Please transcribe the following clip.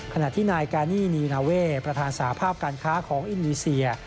ขณะที่นายกานี่นีนาเว่ประธานสาภาพการค้าของอินโดนีเซีย